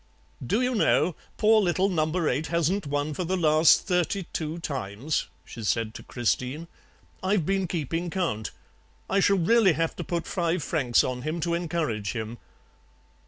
"'Do you know, poor little number eight hasn't won for the last thirty two times,' she said to Christine; 'I've been keeping count. I shall really have to put five francs on him to encourage him.'